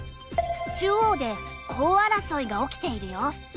中央でコウ争いが起きているよ。